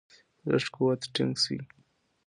په لږ قوت ټینګ شي.